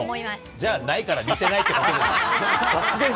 じゃあないから、見てないってことです。